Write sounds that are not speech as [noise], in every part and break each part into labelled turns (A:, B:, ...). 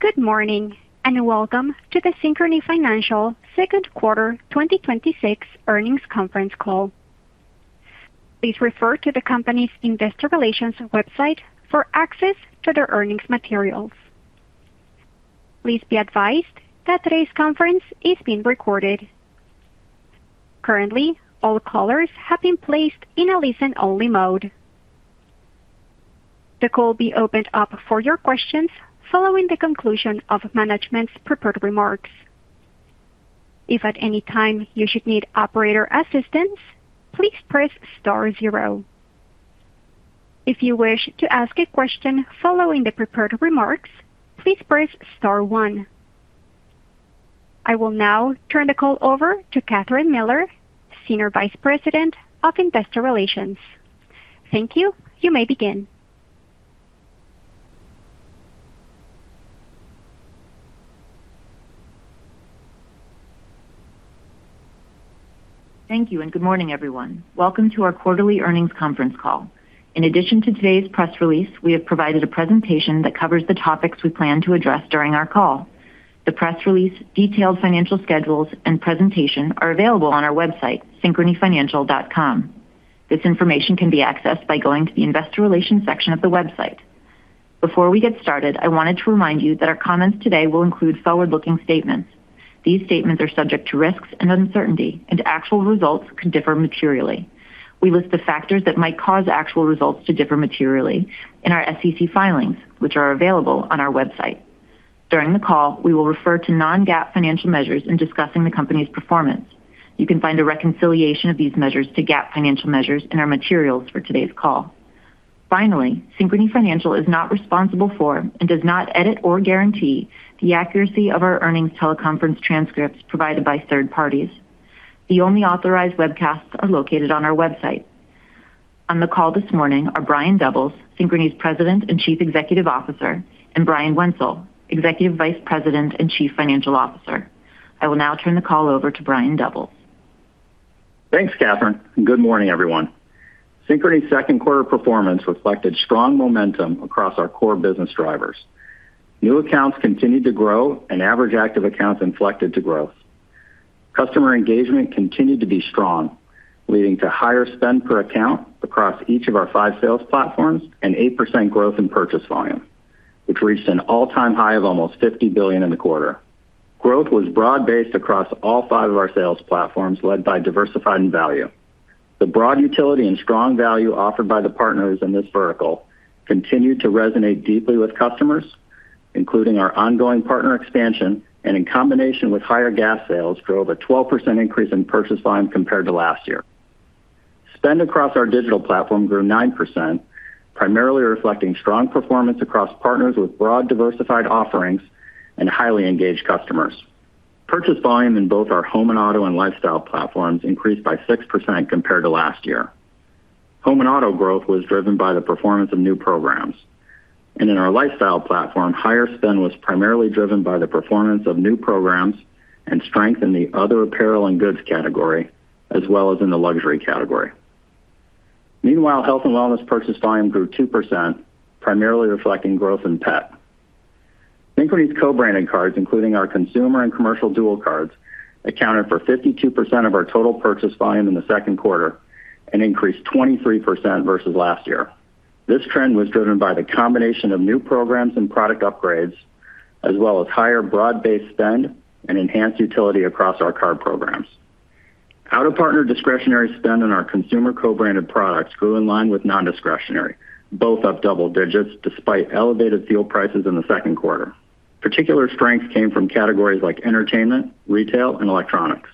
A: Good morning. Welcome to the Synchrony Financial second quarter 2026 earnings conference call. Please refer to the company's investor relations website for access to their earnings materials. Please be advised that today's conference is being recorded. Currently, all callers have been placed in a listen-only mode. The call will be opened up for your questions following the conclusion of management's prepared remarks. If at any time you should need operator assistance, please press star zero. If you wish to ask a question following the prepared remarks, please press star one. I will now turn the call over to Kathryn Miller, Senior Vice President of Investor Relations. Thank you. You may begin.
B: Thank you. Good morning, everyone. Welcome to our quarterly earnings conference call. In addition to today's press release, we have provided a presentation that covers the topics we plan to address during our call. The press release, detailed financial schedules, and presentation are available on our website, synchronyfinancial.com. This information can be accessed by going to the investor relations section of the website. Before we get started, I wanted to remind you that our comments today will include forward-looking statements. These statements are subject to risks and uncertainty, and actual results could differ materially. We list the factors that might cause actual results to differ materially in our SEC filings, which are available on our website. During the call, we will refer to non-GAAP financial measures in discussing the company's performance. You can find a reconciliation of these measures to GAAP financial measures in our materials for today's call. Finally, Synchrony Financial is not responsible for, and does not edit or guarantee the accuracy of our earnings teleconference transcripts provided by third parties. The only authorized webcasts are located on our website. On the call this morning are Brian Doubles, Synchrony's President and Chief Executive Officer, and Brian Wenzel, Executive Vice President and Chief Financial Officer. I will now turn the call over to Brian Doubles.
C: Thanks, Kathryn. Good morning, everyone. Synchrony's second quarter performance reflected strong momentum across our core business drivers. New accounts continued to grow, and average active accounts inflected to growth. Customer engagement continued to be strong, leading to higher spend per account across each of our five sales platforms and 8% growth in purchase volume, which reached an all-time high of almost $50 billion in the quarter. Growth was broad-based across all five of our sales platforms, led by Diversified & Value. The broad utility and strong value offered by the partners in this vertical continued to resonate deeply with customers, including our ongoing partner expansion, and in combination with higher gas sales, drove a 12% increase in purchase volume compared to last year. Spend across our Digital platform grew 9%, primarily reflecting strong performance across partners with broad diversified offerings and highly engaged customers. Purchase volume in both our Home & Auto and Lifestyle platforms increased by 6% compared to last year. Home & Auto growth was driven by the performance of new programs. In our Lifestyle platform, higher spend was primarily driven by the performance of new programs and strength in the other apparel and goods category, as well as in the luxury category. Meanwhile, Health & Wellness purchase volume grew 2%, primarily reflecting growth in pet. Synchrony's co-branded cards, including our consumer and commercial dual cards, accounted for 52% of our total purchase volume in the second quarter and increased 23% versus last year. This trend was driven by the combination of new programs and product upgrades, as well as higher broad-based spend and enhanced utility across our card programs. Out of partner discretionary spend on our consumer co-branded products grew in line with non-discretionary. Both up double digits despite elevated fuel prices in the second quarter. Particular strengths came from categories like entertainment, retail, and electronics.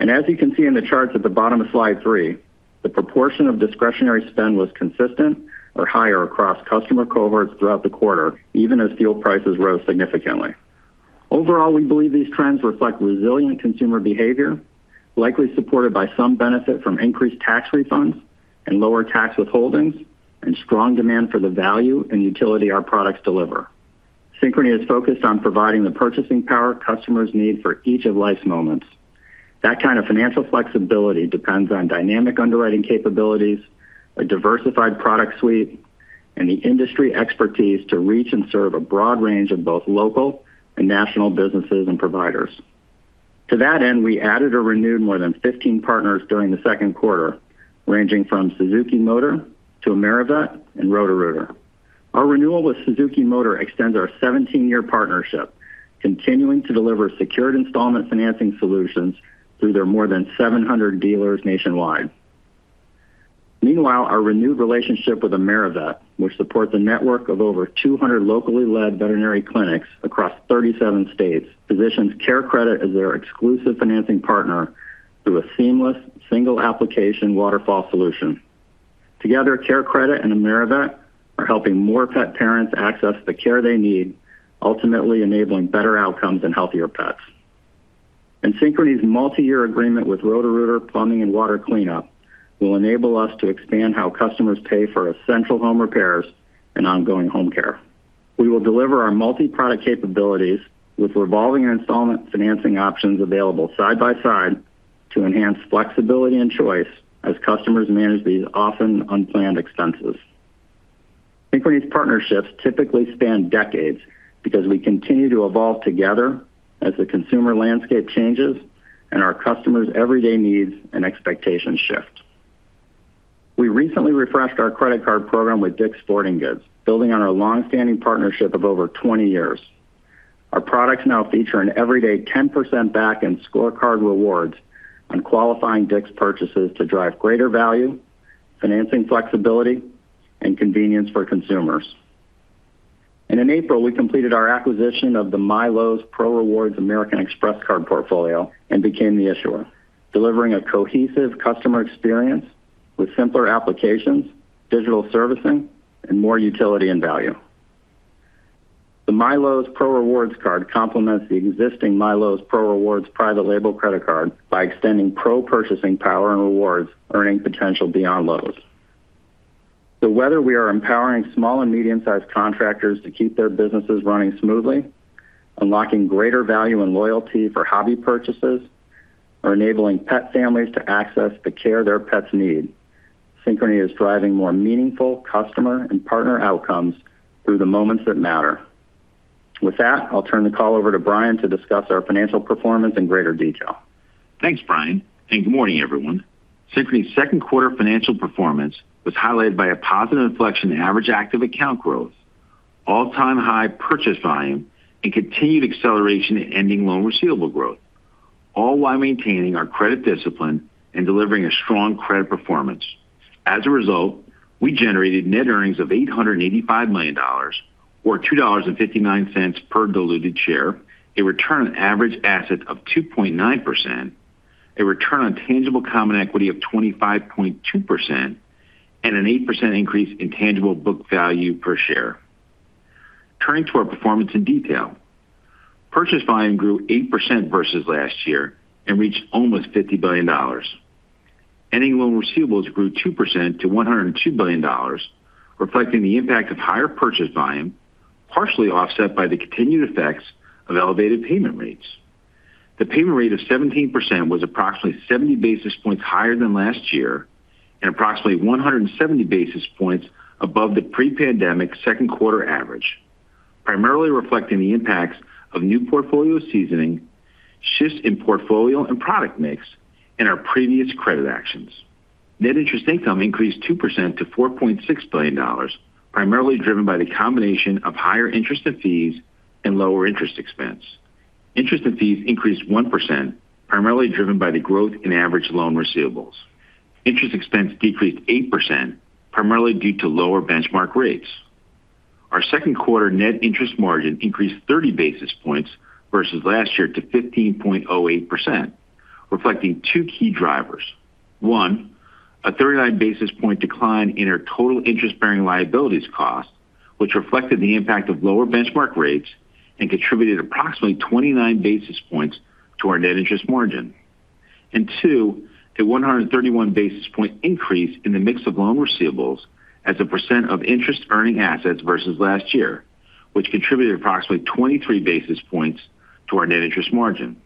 C: As you can see in the charts at the bottom of slide three, the proportion of discretionary spend was consistent or higher across customer cohorts throughout the quarter, even as fuel prices rose significantly. Overall, we believe these trends reflect resilient consumer behavior, likely supported by some benefit from increased tax refunds and lower tax withholdings, and strong demand for the value and utility our products deliver. Synchrony is focused on providing the purchasing power customers need for each of life's moments. That kind of financial flexibility depends on dynamic underwriting capabilities, a diversified product suite, and the industry expertise to reach and serve a broad range of both local and national businesses and providers. To that end, we added or renewed more than 15 partners during the second quarter, ranging from Suzuki Motor to AmeriVet and Roto-Rooter. Our renewal with Suzuki Motor extends our 17-year partnership, continuing to deliver secured installment financing solutions through their more than 700 dealers nationwide. Meanwhile, our renewed relationship with AmeriVet, which supports a network of over 200 locally led veterinary clinics across 37 states, positions CareCredit as their exclusive financing partner through a seamless single application waterfall solution. Together, CareCredit and AmeriVet are helping more pet parents access the care they need, ultimately enabling better outcomes and healthier pets. Synchrony's multi-year agreement with Roto-Rooter Plumbing & Water Cleanup will enable us to expand how customers pay for essential home repairs and ongoing home care. We will deliver our multi-product capabilities with revolving installment financing options available side by side to enhance flexibility and choice as customers manage these often unplanned expenses. Synchrony's partnerships typically span decades because we continue to evolve together as the consumer landscape changes and our customers' everyday needs and expectations shift. We recently refreshed our credit card program with DICK'S Sporting Goods, building on our longstanding partnership of over 20 years. Our products now feature an everyday 10% back in scorecard rewards on qualifying DICK'S purchases to drive greater value, financing flexibility, and convenience for consumers. In April, we completed our acquisition of the MyLowe's Pro Rewards American Express Card portfolio and became the issuer, delivering a cohesive customer experience with simpler applications, digital servicing, and more utility and value. The MyLowe's Pro Rewards card complements the existing MyLowe's Pro Rewards private label credit card by extending pro purchasing power and rewards earning potential beyond Lowe's. Whether we are empowering small and medium-sized contractors to keep their businesses running smoothly, unlocking greater value and loyalty for hobby purchases, or enabling pet families to access the care their pets need, Synchrony is driving more meaningful customer and partner outcomes through the moments that matter. With that, I'll turn the call over to Brian to discuss our financial performance in greater detail.
D: Thanks, Brian, and good morning, everyone. Synchrony's second quarter financial performance was highlighted by a positive inflection in average active account growth, all-time high purchase volume, and continued acceleration in ending loan receivable growth, all while maintaining our credit discipline and delivering a strong credit performance. As a result, we generated net earnings of $885 million, or $2.59 per diluted share, a return on average asset of 2.9%, a return on tangible common equity of 25.2%, and an 8% increase in tangible book value per share. Turning to our performance in detail. Purchase volume grew 8% versus last year and reached almost $50 billion. Ending loan receivables grew 2% to $102 billion, reflecting the impact of higher purchase volume, partially offset by the continued effects of elevated payment rates. The payment rate of 17% was approximately 70 basis points higher than last year and approximately 170 basis points above the pre-pandemic second quarter average, primarily reflecting the impacts of new portfolio seasoning, shifts in portfolio and product mix, and our previous credit actions. Net interest income increased 2% to $4.6 billion, primarily driven by the combination of higher interest and fees and lower interest expense. Interest and fees increased 1%, primarily driven by the growth in average loan receivables. Interest expense decreased 8%, primarily due to lower benchmark rates. Our second quarter net interest margin increased 30 basis points versus last year to 15.08%, reflecting two key drivers. One, a 39-basis-point decline in our total interest-bearing liabilities cost, which reflected the impact of lower benchmark rates and contributed approximately 29 basis points to our net interest margin. Two, a 131-basis-point increase in the mix of loan receivables as a percent of interest-earning assets versus last year, which contributed approximately 23 basis points to our net interest margin.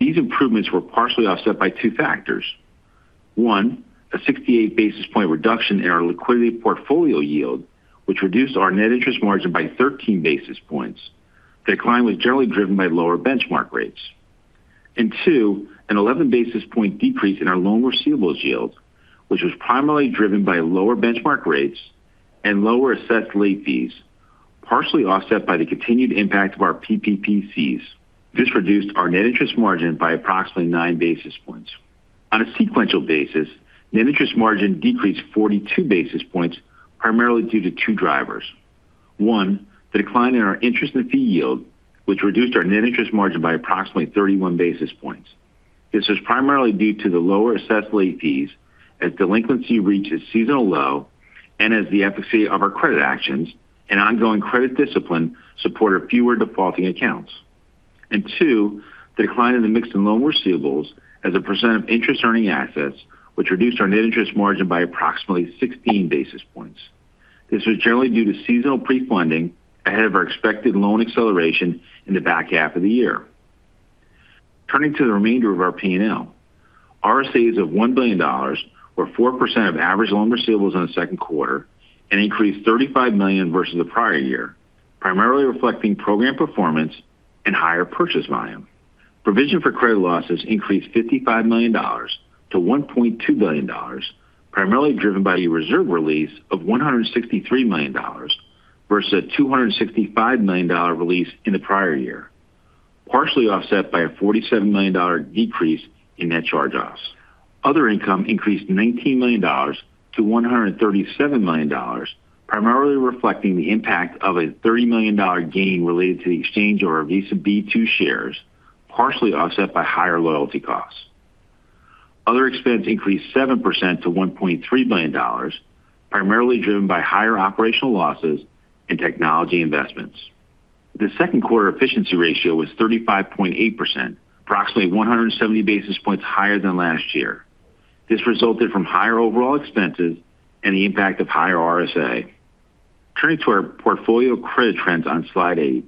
D: These improvements were partially offset by two factors. One, a 68-basis-point reduction in our liquidity portfolio yield, which reduced our net interest margin by 13 basis points. The decline was generally driven by lower benchmark rates. Two, an 11-basis-point decrease in our loan receivables yield, which was primarily driven by lower benchmark rates and lower assessed late fees, partially offset by the continued impact of our PPP fees. This reduced our net interest margin by approximately nine basis points. On a sequential basis, net interest margin decreased 42 basis points, primarily due to two drivers. One, the decline in our interest and fee yield, which reduced our net interest margin by approximately 31 basis points. This is primarily due to the lower assessed late fees as delinquency reaches seasonal low and as the efficacy of our credit actions and ongoing credit discipline support fewer defaulting accounts. Two, the decline in the mix in loan receivables as a percent of interest-earning assets, which reduced our net interest margin by approximately 16 basis points. This was generally due to seasonal pre-funding ahead of our expected loan acceleration in the back half of the year. Turning to the remainder of our P&L. RSAs of $1 billion, or 4% of average loan receivables in the second quarter, and increased $35 million versus the prior year, primarily reflecting program performance and higher purchase volume. Provision for credit losses increased $55 million to $1.2 billion, primarily driven by a reserve release of $163 million versus a $265 million release in the prior year, partially offset by a $47 million decrease in net charge-offs. Other income increased to $19 million to $137 million, primarily reflecting the impact of a $30 million gain related to the exchange of our Visa B-2 shares, partially offset by higher loyalty costs. Other expense increased 7% to $1.3 billion, primarily driven by higher operational losses and technology investments. The second quarter efficiency ratio was 35.8%, approximately 170 basis points higher than last year. This resulted from higher overall expenses and the impact of higher RSA. Turning to our portfolio credit trends on slide eight.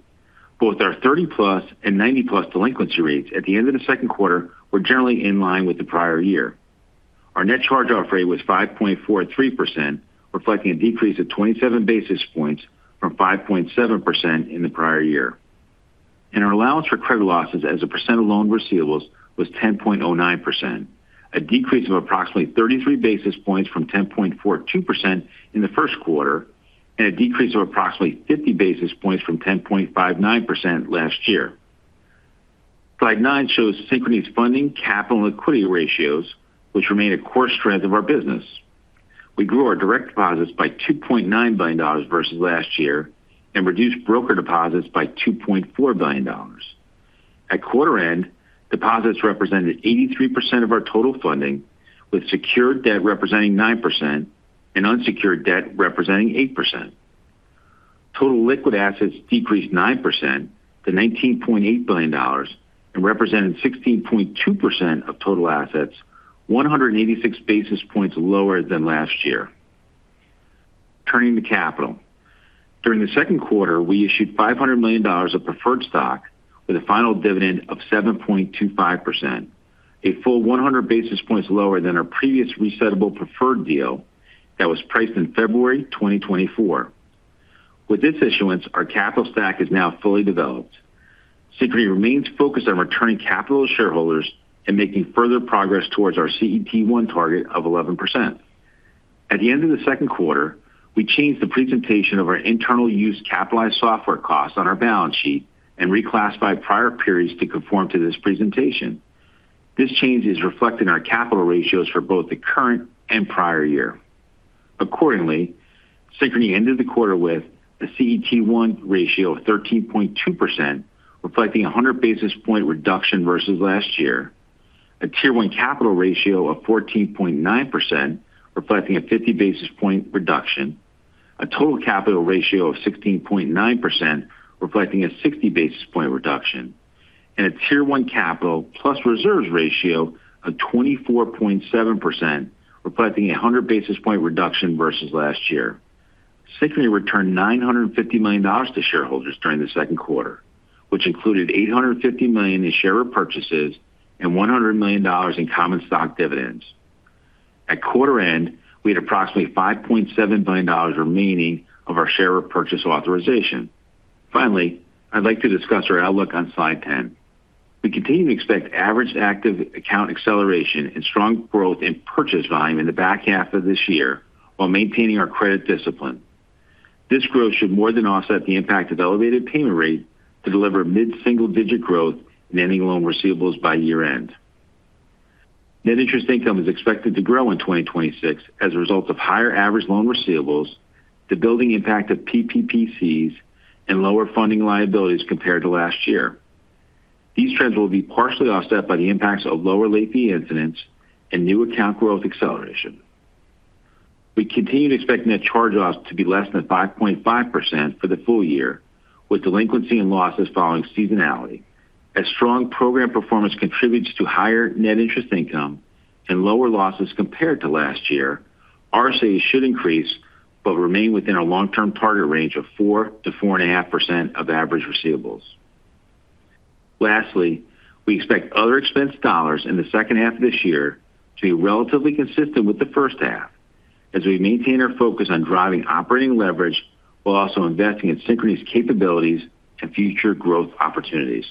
D: Both our 30+ and 90+ delinquency rates at the end of the second quarter were generally in line with the prior year. Our net charge-off rate was 5.43%, reflecting a decrease of 27 basis points from 5.7% in the prior year. Our allowance for credit losses as a percent of loan receivables was 10.09%, a decrease of approximately 33 basis points from 10.42% in the first quarter, and a decrease of approximately 50 basis points from 10.59% last year. Slide nine shows Synchrony's funding, capital, and liquidity ratios, which remain a core strength of our business. We grew our direct deposits by $2.9 billion versus last year and reduced broker deposits by $2.4 billion. At quarter end, deposits represented 83% of our total funding, with secured debt representing 9% and unsecured debt representing 8%. Total liquid assets decreased 9% to $19.8 billion and represented 16.2% of total assets, 186 basis points lower than last year. Turning to capital. During the second quarter, we issued $500 million of preferred stock with a final dividend of 7.25%, a full 100 basis points lower than our previous resettable preferred deal that was priced in February 2024. With this issuance, our capital stack is now fully developed. Synchrony remains focused on returning capital to shareholders and making further progress towards our CET1 target of 11%. At the end of the second quarter, we changed the presentation of our internal-use capitalized software costs on our balance sheet and reclassified prior periods to conform to this presentation. This change is reflected in our capital ratios for both the current and prior year. Accordingly, Synchrony ended the quarter with a CET1 ratio of 13.2%, reflecting 100 basis point reduction versus last year, a Tier 1 capital ratio of 14.9%, reflecting a 50 basis point reduction, a total capital ratio of 16.9%, reflecting a 60 basis point reduction, and a Tier 1 capital plus reserves ratio of 24.7%, reflecting 100 basis point reduction versus last year. Synchrony returned $950 million to shareholders during the second quarter, which included $850 million in share repurchases and $100 million in common stock dividends. At quarter end, we had approximately $5.7 billion remaining of our share repurchase authorization. Finally, I'd like to discuss our outlook on slide 10. We continue to expect average active account acceleration and strong growth in purchase volume in the back half of this year while maintaining our credit discipline. This growth should more than offset the impact of elevated payment rate to deliver mid-single-digit growth in ending loan receivables by year-end. Net interest income is expected to grow in 2026 as a result of higher average loan receivables, the building impact of PPP fees, and lower funding liabilities compared to last year. These trends will be partially offset by the impacts of lower late-fee incidence and new account growth acceleration. We continue to expect net charge-offs to be less than 5.5% for the full year, with delinquency and losses following seasonality. As strong program performance contributes to higher net interest income and lower losses compared to last year, RSAs should increase but remain within our long-term target range of 4%-4.5% of average receivables. Lastly, we expect other expense dollars in the second half of this year to be relatively consistent with the first half as we maintain our focus on driving operating leverage while also investing in Synchrony's capabilities and future growth opportunities.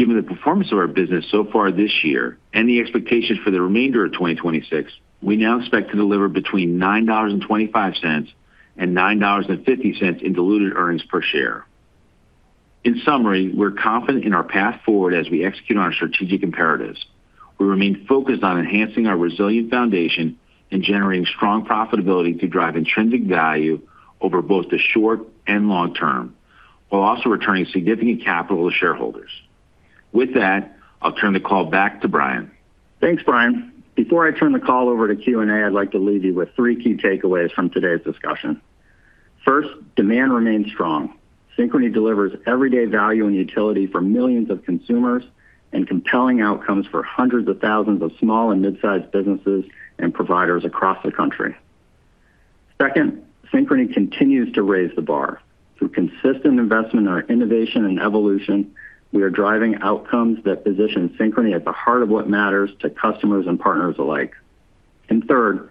D: Given the performance of our business so far this year and the expectations for the remainder of 2026, we now expect to deliver between $9.25 and $9.50 in diluted earnings per share. In summary, we're confident in our path forward as we execute on our strategic imperatives. We remain focused on enhancing our resilient foundation and generating strong profitability to drive intrinsic value over both the short and long term, while also returning significant capital to shareholders. With that, I'll turn the call back to Brian.
C: Thanks, Brian. Before I turn the call over to Q&A, I'd like to leave you with three key takeaways from today's discussion. First, demand remains strong. Synchrony delivers everyday value and utility for millions of consumers and compelling outcomes for hundreds of thousands of small and mid-sized businesses and providers across the country. Second, Synchrony continues to raise the bar. Through consistent investment in our innovation and evolution, we are driving outcomes that position Synchrony at the heart of what matters to customers and partners alike. Third,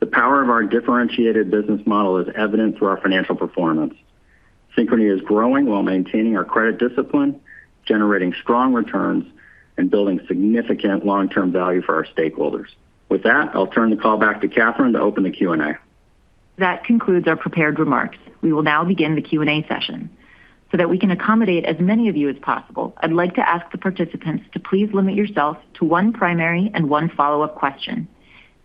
C: the power of our differentiated business model is evident through our financial performance. Synchrony is growing while maintaining our credit discipline, generating strong returns, and building significant long-term value for our stakeholders. With that, I'll turn the call back to Kathryn to open the Q&A.
B: That concludes our prepared remarks. We will now begin the Q&A session. That we can accommodate as many of you as possible, I'd like to ask the participants to please limit yourself to one primary and one follow-up question.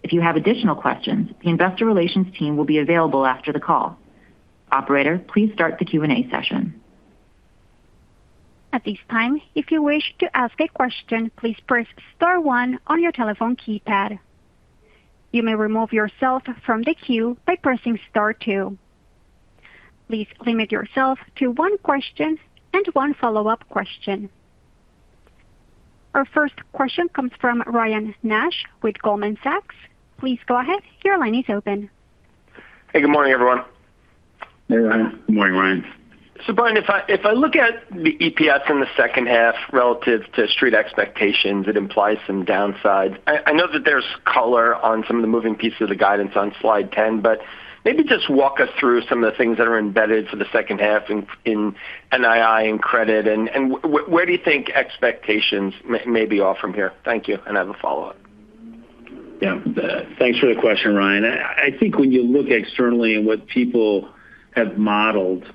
B: If you have additional questions, the investor relations team will be available after the call. Operator, please start the Q&A session.
A: At this time, if you wish to ask a question, please press star one on your telephone keypad. You may remove yourself from the queue by pressing star two. Please limit yourself to one question and one follow-up question. Our first question comes from Ryan Nash with Goldman Sachs. Please go ahead, your line is open.
E: Hey, good morning, everyone.
C: Hey, Ryan.
D: Good morning, Ryan.
E: Brian, if I look at the EPS in the second half relative to Street expectations, it implies some downsides. I know that there's color on some of the moving pieces of guidance on slide 10, but maybe just walk us through some of the things that are embedded for the second half in NII and credit, and where do you think expectations may be off from here? Thank you, and I have a follow-up.
D: Yeah. Thanks for the question, Ryan. I think when you look externally and what people have modeled,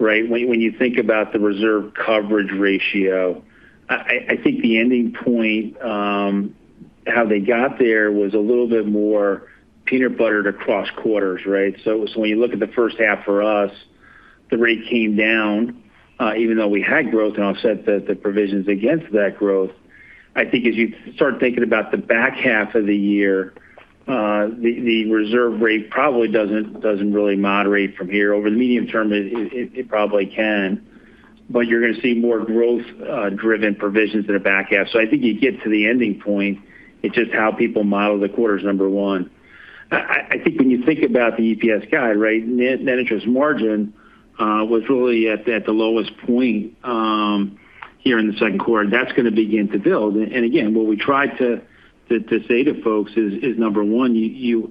D: right? When you think about the reserve coverage ratio, I think the ending point, how they got there was a little bit more peanut buttered across quarters, right? When you look at the first half for us, the rate came down even though we had growth and offset the provisions against that growth. I think as you start thinking about the back half of the year, the reserve rate probably doesn't really moderate from here. Over the medium term, it probably can. You're going to see more growth-driven provisions in the back half. I think you get to the ending point, it's just how people model the quarter is number one. I think when you think about the EPS guide, right? Net interest margin was really at the lowest point here in the second quarter, that's going to begin to build. Again, what we tried to say to folks is, number one,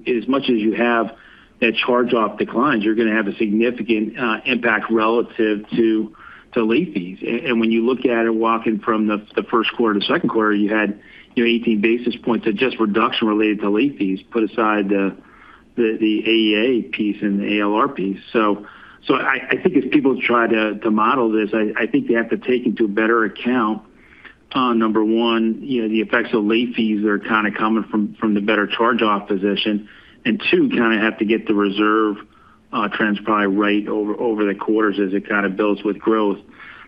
D: as much as you have that charge-off declines, you're going to have a significant impact relative to late fees. When you look at it, walking from the first quarter to second quarter, you had your 18 basis points of just reduction related to late fees, put aside the AEA piece and the ALR piece. I think as people try to model this, I think they have to take into better account, number one, the effects of late fees are kind of coming from the better charge-off position. Two, kind of have to get the reserve transpired right over the quarters as it kind of builds with growth.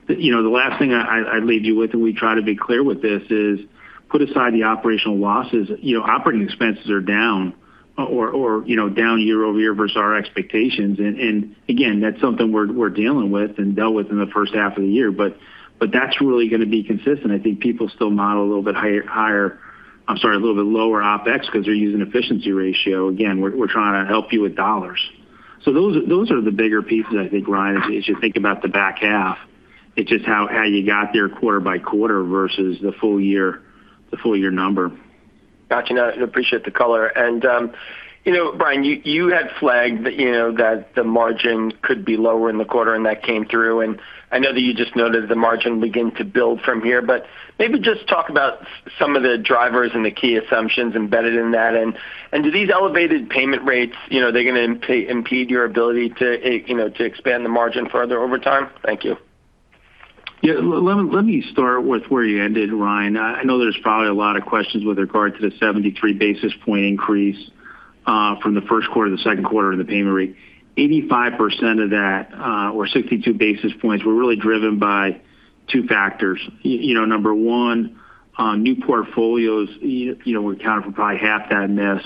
D: The last thing I'd leave you with, we try to be clear with this is, put aside the operational losses. Operating expenses are down or down year-over-year versus our expectations. Again, that's something we're dealing with and dealt with in the first half of the year, that's really going to be consistent. I think people still model a little bit lower OpEx because they're using efficiency ratio. Again, we're trying to help you with dollars. Those are the bigger pieces I think, Ryan, as you think about the back half. It's just how you got there quarter-by-quarter versus the full year number.
E: Gotcha. No, I appreciate the color. Brian, you had flagged that the margin could be lower in the quarter, and that came through. I know that you just noted the margin begin to build from here, but maybe just talk about some of the drivers and the key assumptions embedded in that. Do these elevated payment rates, they going to impede your ability to expand the margin further over time? Thank you.
D: Yeah. Let me start with where you ended, Ryan. I know there's probably a lot of questions with regard to the 73 basis point increase from the first quarter to the second quarter in the payment rate. 85% of that or 62 basis points were really driven by two factors. Number one, new portfolios accounted for probably half that miss,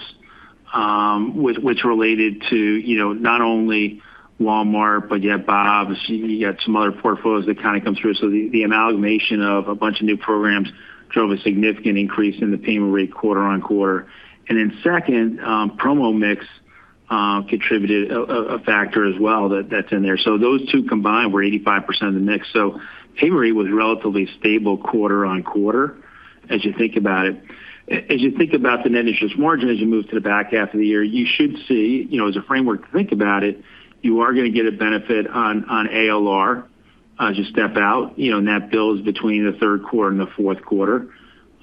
D: which related to not only Walmart, but you had Bob's, you had some other portfolios that kind of come through. The amalgamation of a bunch of new programs drove a significant increase in the payment rate quarter-on-quarter. Then second, promo mix contributed a factor as well that's in there. Those two combined were 85% of the mix. Payment rate was relatively stable quarter-on-quarter as you think about it. As you think about the net interest margin as you move to the back half of the year, you should see, as a framework to think about it, you are going to get a benefit on ALR as you step out, and that builds between the third quarter and the fourth quarter.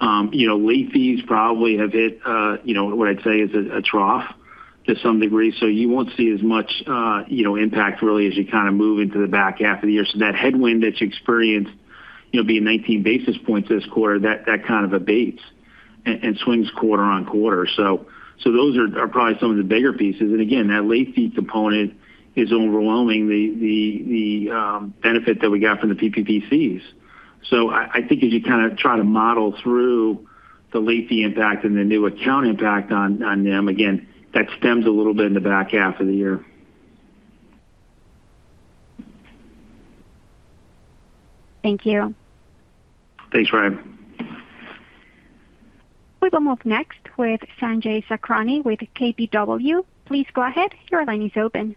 D: Late fees probably have hit what I'd say is a trough to some degree. You won't see as much impact really as you kind of move into the back half of the year. That headwind that you experienced being 19 basis points this quarter, that kind of abates and swings quarter-on-quarter. Those are probably some of the bigger pieces. Again, that late fee component is overwhelming the benefit that we got from the PPP fees. I think as you kind of try to model through the late fee impact and the new account impact on them, again, that stems a little bit in the back half of the year.
A: Thank you.
D: Thanks, Ryan.
A: We will move next with Sanjay Sakhrani with KBW. Please go ahead. Your line is open.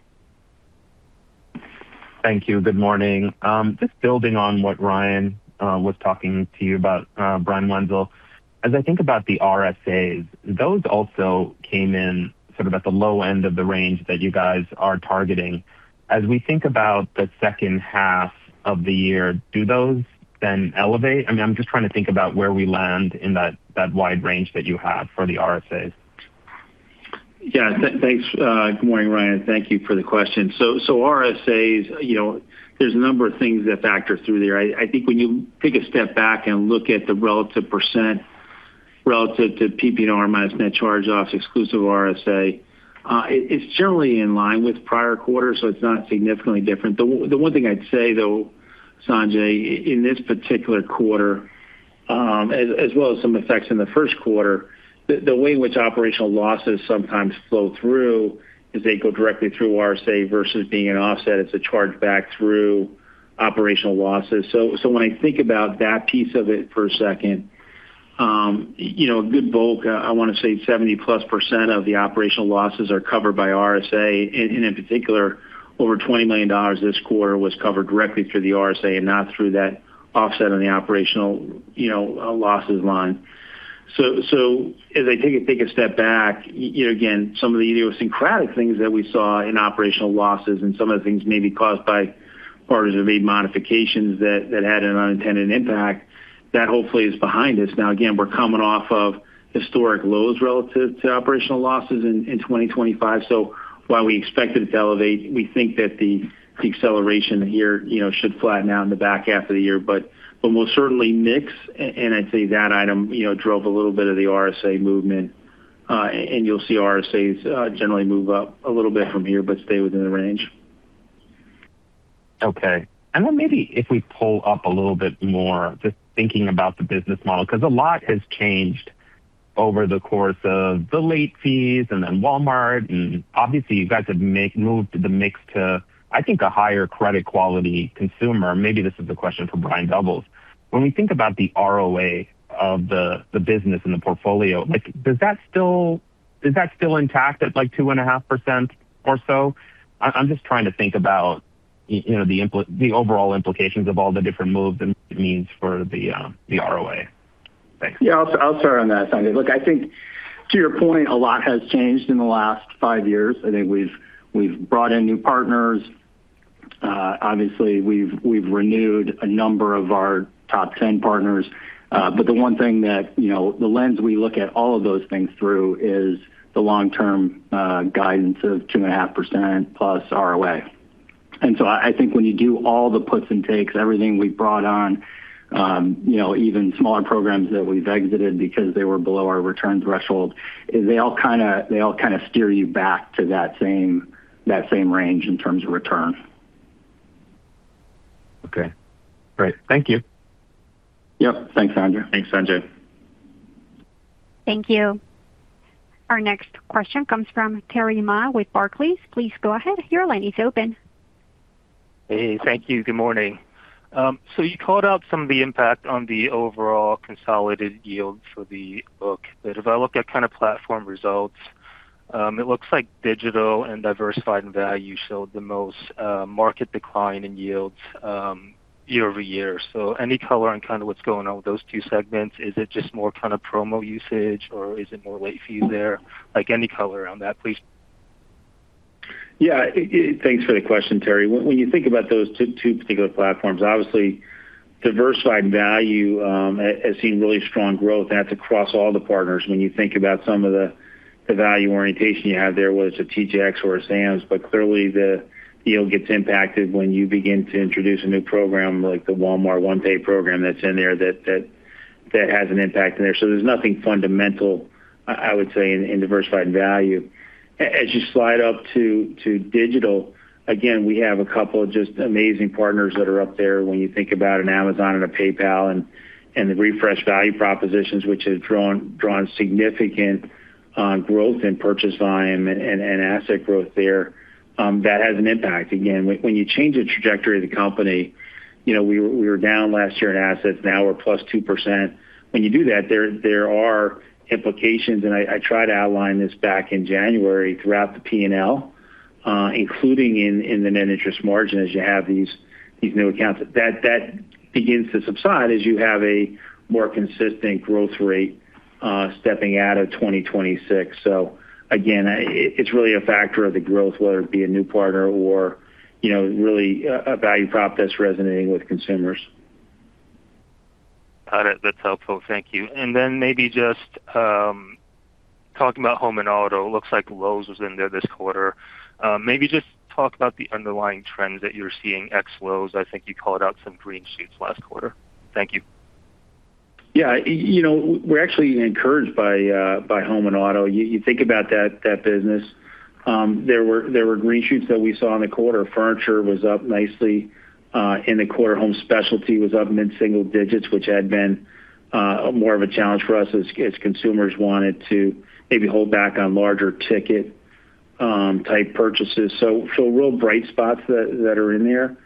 F: Thank you. Good morning. Just building on what Ryan was talking to you about, Brian Wenzel. As I think about the RSAs, those also came in sort of at the low end of the range that you guys are targeting. As we think about the second half of the year, do those then elevate? I'm just trying to think about where we land in that wide range that you have for the RSAs.
D: Thanks. Good morning, Ryan. Thank you for the question. RSAs, there's a number of things that factor through there. I think when you take a step back and look at the percent relative to PPNR minus net charge-offs exclusive of RSA, it's generally in line with prior quarters, so it's not significantly different. The one thing I'd say though, Sanjay, in this particular quarter, as well as some effects in the first quarter, the way in which operational losses sometimes flow through is they go directly through RSA versus being an offset. It's a chargeback through operational losses. When I think about that piece of it for a second, a good bulk, I want to say 70%+ of the operational losses are covered by RSA. In particular, over $20 million this quarter was covered directly through the RSA and not through that offset on the operational losses line. As I take a step back, again, some of the idiosyncratic things that we saw in operational losses and some of the things may be caused by partners who made modifications that had an unintended impact, that hopefully is behind us. Again, we're coming off of historic lows relative to operational losses in 2025. While we expect it to elevate, we think that the acceleration here should flatten out in the back half of the year. We'll certainly mix, and I'd say that item drove a little bit of the RSA movement. You'll see RSAs generally move up a little bit from here, but stay within the range.
F: Okay. Then maybe if we pull up a little bit more, just thinking about the business model, because a lot has changed over the course of the late fees and then Walmart, and obviously you guys have moved the mix to, I think, a higher credit quality consumer. Maybe this is a question for Brian Doubles. When we think about the ROA of the business and the portfolio, is that still intact at like 2.5% or so? I'm just trying to think about the overall implications of all the different moves and what it means for the ROA. Thanks.
C: I'll start on that, Sanjay. Look, I think to your point, a lot has changed in the last five years. I think we've brought in new partners. Obviously, we've renewed a number of our top 10 partners. The one thing that the lens we look at all of those things through is the long-term guidance of 2.5% plus ROA. I think when you do all the puts and takes, everything we've brought on, even smaller programs that we've exited because they were below our return threshold, they all kind of steer you back to that same range in terms of return.
F: Okay. Great. Thank you.
C: Yep. Thanks, Sanjay.
D: Thanks, Sanjay.
A: Thank you. Our next question comes from Terry Ma with Barclays. Please go ahead. Your line is open.
G: Hey, thank you. Good morning. You called out some of the impact on the overall consolidated yield for the book. If I look at kind of platform results, it looks like Digital and Diversified & Value showed the most market decline in yields year-over-year. Any color on kind of what's going on with those two segments? Is it just more kind of promo usage, or is it more late fee there? Any color on that, please.
D: Yeah. Thanks for the question, Terry. When you think about those two particular platforms, obviously Diversified & Value has seen really strong growth, and that's across all the partners. When you think about some of the value orientation you have there, whether it's a TJX or a Sam's, but clearly the yield gets impacted when you begin to introduce a new program like the Walmart OnePay program that's in there that has an impact in there. There's nothing fundamental, I would say, in Diversified & Value. As you slide up to Digital, again, we have a couple of just amazing partners that are up there when you think about an Amazon and a PayPal and the refreshed value propositions which have drawn significant growth in purchase volume and asset growth there. That has an impact. Again, when you change the trajectory of the company, we were down last year in assets, now we're +2%. When you do that, there are implications, and I tried to outline this back in January throughout the P&L, including in the net interest margin as you have these new accounts. That begins to subside as you have a more consistent growth rate stepping out of 2026. Again, it's really a factor of the growth, whether it be a new partner or really a value prop that's resonating with consumers.
G: Got it. That's helpful. Thank you. Maybe just talking about Home & Auto, looks like Lowe's was in there this quarter. Maybe just talk about the underlying trends that you're seeing ex Lowe's. I think you called out some green shoots last quarter. Thank you.
D: Yeah. We're actually encouraged by Home & Auto. You think about that business, there were green shoots that we saw in the quarter. Furniture was up nicely in the quarter. Home specialty was up mid-single digits, which had been more of a challenge for us as consumers wanted to maybe hold back on larger ticket type purchases. Real bright spots that are in there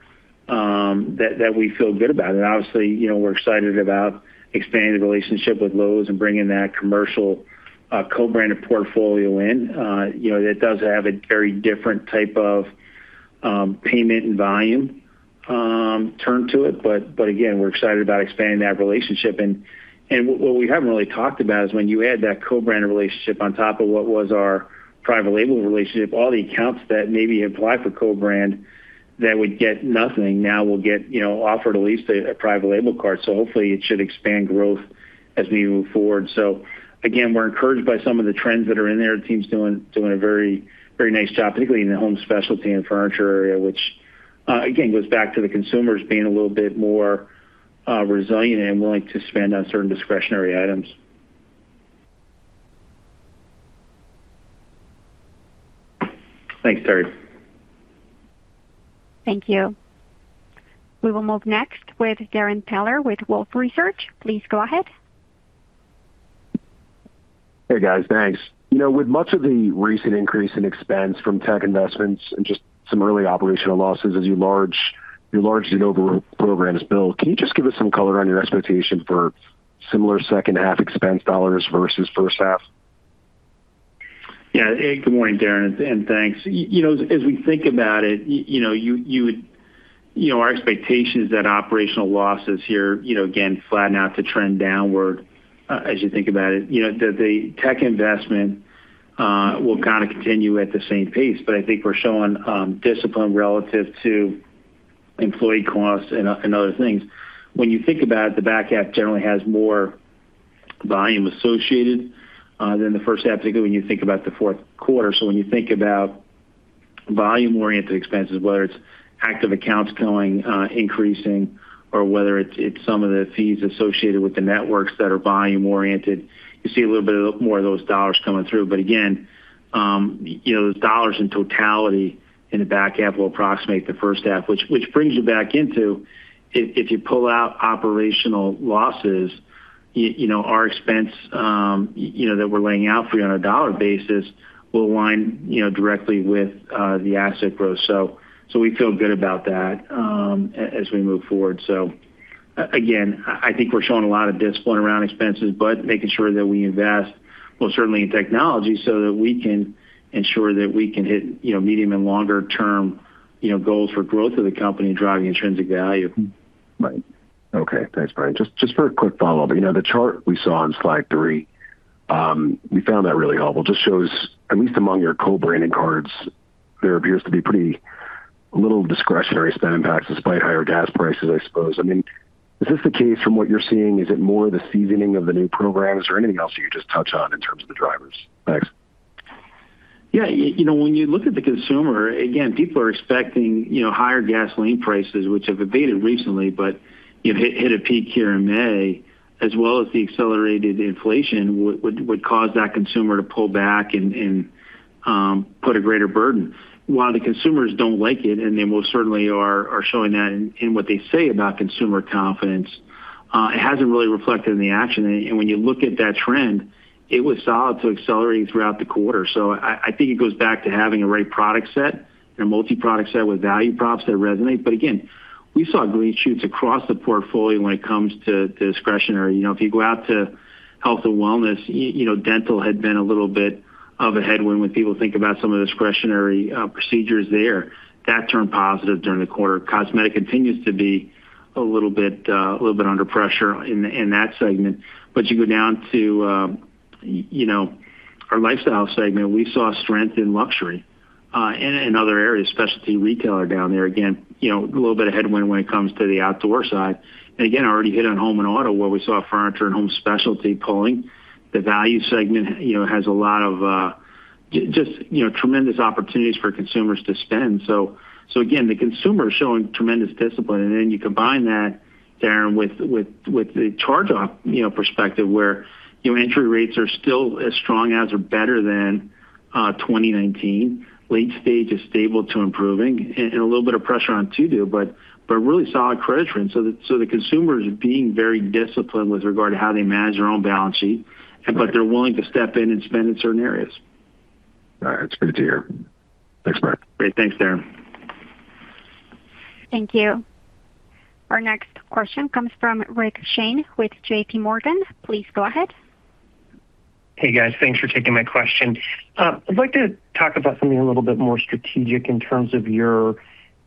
D: that we feel good about. Obviously, we're excited about expanding the relationship with Lowe's and bringing that commercial co-branded portfolio in. That does have a very different type of payment and volume turn to it. Again, we're excited about expanding that relationship. What we haven't really talked about is when you add that co-branded relationship on top of what was our private label relationship, all the accounts that maybe apply for co-brand that would get nothing now will get offered at least a private label card. Hopefully it should expand growth as we move forward. Again, we're encouraged by some of the trends that are in there. The team's doing a very nice job, particularly in the home specialty and furniture area, which again goes back to the consumers being a little bit more resilient and willing to spend on certain discretionary items. Thanks, Terry.
A: Thank you. We will move next with Darrin Peller with Wolfe Research. Please go ahead.
H: Hey guys, thanks. With much of the recent increase in expense from tech investments and just some early operational losses as you [inaudible] programs build, can you just give us some color on your expectation for similar second half expense dollars versus first half?
D: Good morning, Darrin, and thanks. As we think about it, our expectation is that operational losses here, again, flatten out to trend downward as you think about it. The tech investment will kind of continue at the same pace. I think we're showing discipline relative to employee costs and other things. When you think about it, the back half generally has more volume associated than the first half, particularly when you think about the fourth quarter. When you think about volume-oriented expenses, whether it's active accounts growing, increasing, or whether it's some of the fees associated with the networks that are volume-oriented, you see a little bit more of those dollars coming through. Again, those dollars in totality in the back half will approximate the first half. Which brings you back into, if you pull out operational losses, our expense that we're laying out for you on a dollar basis will align directly with the asset growth. We feel good about that as we move forward. Again, I think we're showing a lot of discipline around expenses, but making sure that we invest, well, certainly in technology so that we can ensure that we can hit medium and longer term goals for growth of the company driving intrinsic value.
H: Right. Okay. Thanks, Brian. Just for a quick follow-up, the chart we saw on slide three, we found that really helpful. Just shows, at least among your co-branding cards, there appears to be a little discretionary spend impacts despite higher gas prices, I suppose. Is this the case from what you're seeing? Is it more the seasoning of the new programs or anything else you could just touch on in terms of the drivers? Thanks.
D: Yeah. When you look at the consumer, again, people are expecting higher gasoline prices, which have abated recently, but hit a peak here in May, as well as the accelerated inflation would cause that consumer to pull back and put a greater burden. While the consumers don't like it, and they most certainly are showing that in what they say about consumer confidence, it hasn't really reflected in the action. When you look at that trend, it was solid to accelerating throughout the quarter. I think it goes back to having the right product set and a multi-product set with value props that resonate. Again, we saw green shoots across the portfolio when it comes to discretionary. If you go out to Health & Wellness, dental had been a little bit of a headwind when people think about some of the discretionary procedures there. That turned positive during the quarter. Cosmetic continues to be a little bit under pressure in that segment. You go down to our Lifestyle segment, we saw strength in luxury, and in other areas, specialty retailer down there, again, a little bit of headwind when it comes to the outdoor side. Again, I already hit on Home & Auto where we saw furniture and home specialty pulling. The Value segment has a lot of just tremendous opportunities for consumers to spend. Again, the consumer is showing tremendous discipline, and then you combine that, Darrin, with the charge-off perspective where entry rates are still as strong as or better than 2019. Late stage is stable to improving, and a little bit of pressure on to-do, but really solid credit trends. The consumer is being very disciplined with regard to how they manage their own balance sheet, but they're willing to step in and spend in certain areas.
H: All right. That's good to hear. Thanks, Brian.
D: Great. Thanks, Darrin.
A: Thank you. Our next question comes from Rick Shane with JPMorgan. Please go ahead.
I: Hey, guys. Thanks for taking my question. I'd like to talk about something a little bit more strategic in terms of your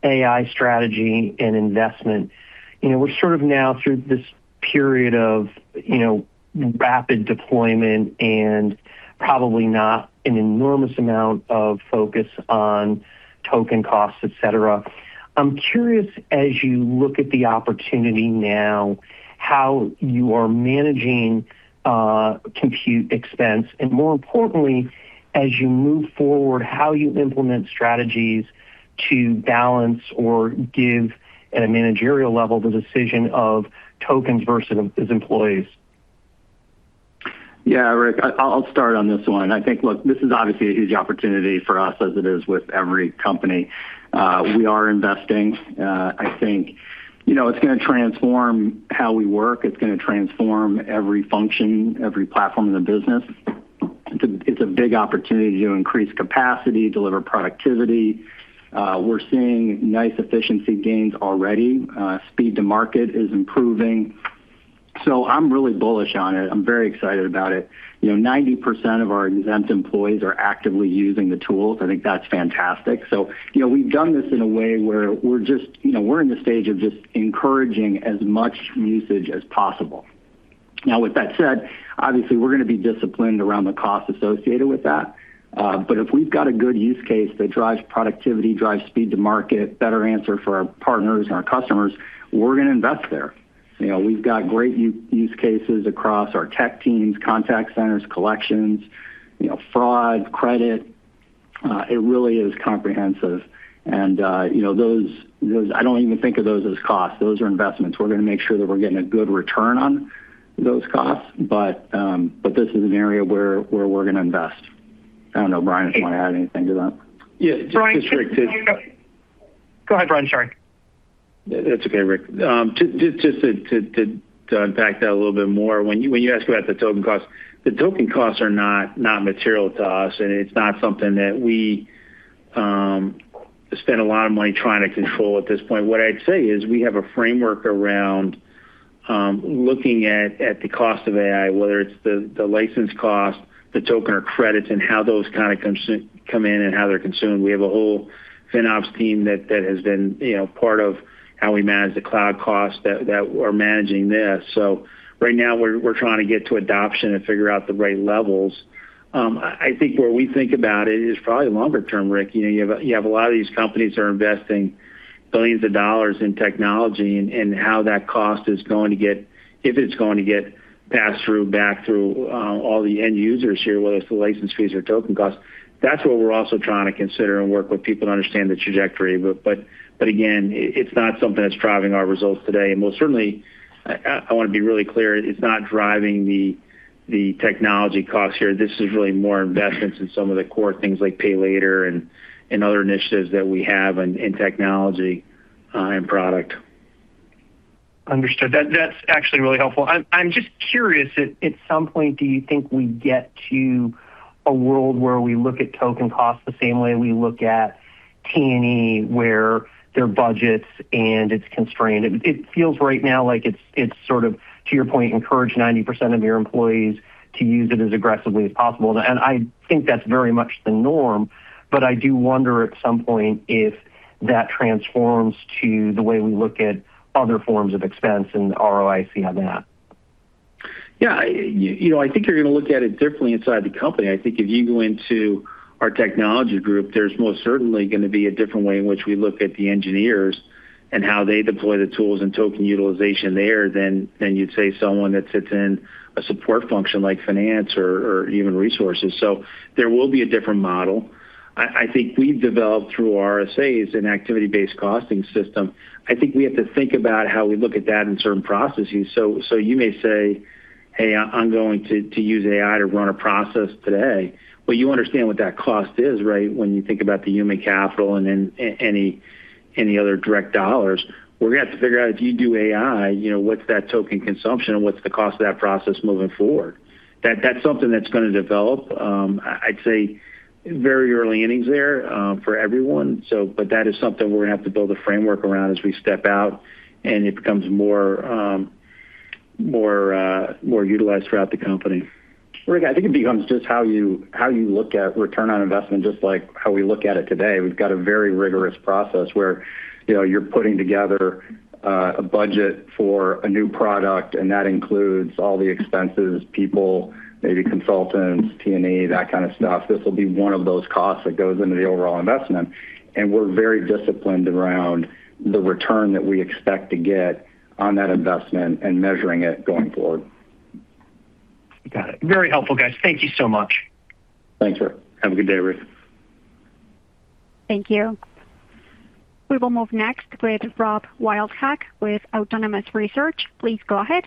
I: AI strategy and investment. We're sort of now through this period of rapid deployment and probably not an enormous amount of focus on token costs, et cetera. I'm curious, as you look at the opportunity now, how you are managing compute expense, and more importantly, as you move forward, how you implement strategies to balance or give at a managerial level the decision of tokens versus employees.
C: Yeah, Rick. I'll start on this one. I think, look, this is obviously a huge opportunity for us as it is with every company. We are investing. I think it's going to transform how we work. It's going to transform every function, every platform in the business. It's a big opportunity to increase capacity, deliver productivity. We're seeing nice efficiency gains already. Speed to market is improving. I'm really bullish on it. I'm very excited about it. 90% of our exempt employees are actively using the tools. I think that's fantastic. We've done this in a way where we're in the stage of just encouraging as much usage as possible. Now, with that said, obviously, we're going to be disciplined around the cost associated with that. If we've got a good use case that drives productivity, drives speed to market, better answer for our partners and our customers, we're going to invest there. We've got great use cases across our tech teams, contact centers, collections, fraud, credit. It really is comprehensive. I don't even think of those as costs. Those are investments. We're going to make sure that we're getting a good return on those costs. This is an area where we're going to invest. I don't know, Brian, if you want to add anything to that.
D: Yeah.
I: Brian— Go ahead, Brian. Sorry.
D: That's okay, Rick. Just to unpack that a little bit more, when you ask about the token cost, the token costs are not material to us, and it's not something that we spend a lot of money trying to control at this point. What I'd say is we have a framework around looking at the cost of AI, whether it's the license cost, the token or credits, and how those come in and how they're consumed. We have a whole FinOps team that has been part of how we manage the cloud cost that are managing this. Right now, we're trying to get to adoption and figure out the right levels. I think where we think about it is probably longer term, Rick. You have a lot of these companies that are investing billions of dollars in technology, and how that cost, if it's going to get passed back through all the end users here, whether it's the license fees or token costs. That's what we're also trying to consider and work with people to understand the trajectory. Again, it's not something that's driving our results today. Most certainly, I want to be really clear, it's not driving the technology costs here. This is really more investments in some of the core things like Pay Later and other initiatives that we have in technology and product.
I: Understood. That's actually really helpful. I'm just curious, at some point, do you think we get to a world where we look at token cost the same way we look at T&E, where there are budgets and it's constrained? It feels right now like it's sort of, to your point, encourage 90% of your employees to use it as aggressively as possible. I think that's very much the norm. I do wonder at some point if that transforms to the way we look at other forms of expense and ROIC on that.
D: Yeah. I think you're going to look at it differently inside the company. I think if you go into our technology group, there's most certainly going to be a different way in which we look at the engineers and how they deploy the tools and token utilization there than you'd say someone that sits in a support function like finance or human resources. There will be a different model. I think we've developed through RSAs an activity-based costing system. I think we have to think about how we look at that in certain processes. You may say, "Hey, I'm going to use AI to run a process today." You understand what that cost is, right, when you think about the human capital and any other direct dollars. We're going to have to figure out if you do AI, what's that token consumption? What's the cost of that process moving forward? That's something that's going to develop. I'd say very early innings there for everyone. That is something we're going to have to build a framework around as we step out and it becomes more utilized throughout the company. Rick, I think it becomes just how you look at return on investment, just like how we look at it today. We've got a very rigorous process where you're putting together a budget for a new product, and that includes all the expenses, people, maybe consultants, T&E, that kind of stuff. This will be one of those costs that goes into the overall investment, and we're very disciplined around the return that we expect to get on that investment and measuring it going forward.
I: Got it. Very helpful, guys. Thank you so much.
C: Thanks, Rick.
D: Have a good day, Rick.
A: Thank you. We will move next with Rob Wildhack with Autonomous Research. Please go ahead.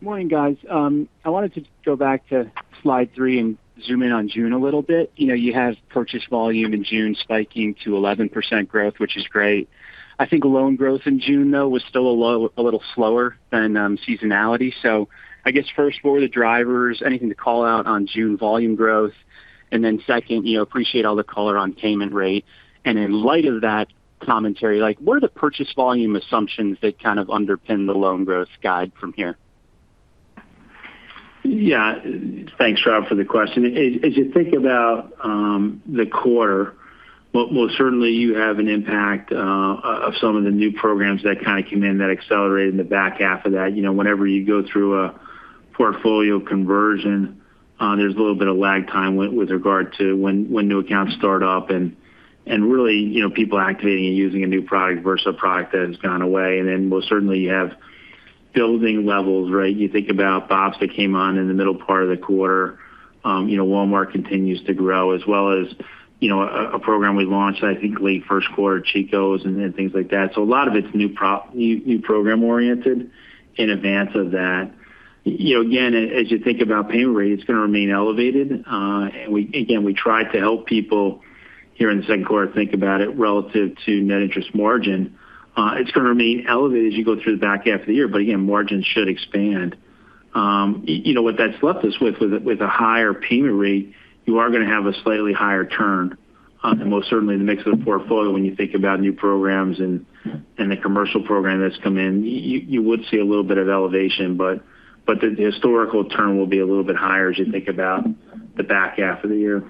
J: Morning, guys. I wanted to go back to slide three and zoom in on June a little bit. You have purchase volume in June spiking to 11% growth, which is great. I think loan growth in June, though, was still a little slower than seasonality. I guess first, what were the drivers? Anything to call out on June volume growth? Second, appreciate all the color on payment rate. In light of that commentary, what are the purchase volume assumptions that kind of underpin the loan growth guide from here?
D: Thanks, Rob, for the question. As you think about the quarter, most certainly you have an impact of some of the new programs that kind of came in that accelerated in the back half of that. Whenever you go through a portfolio conversion, there's a little bit of lag time with regard to when new accounts start up and really, people activating and using a new product versus a product that has gone away. Most certainly you have building levels, right? You think about Bob's that came on in the middle part of the quarter. Walmart continues to grow as well as a program we launched, I think late first quarter, Chico's, and things like that. A lot of it's new program-oriented in advance of that. As you think about payment rate, it's going to remain elevated. Again, we try to help people here in the second quarter think about it relative to net interest margin. It's going to remain elevated as you go through the back half of the year, margins should expand. What that's left us with a higher payment rate, you are going to have a slightly higher turn. Most certainly the mix of the portfolio when you think about new programs and the commercial program that's come in. You would see a little bit of elevation, the historical turn will be a little bit higher as you think about the back half of the year.